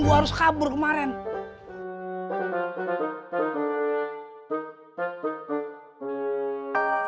padahal lu tapi mau n texture